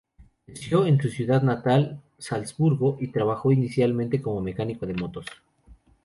Creció en su ciudad natal, Salzburgo, y trabajó inicialmente como mecánico de motos.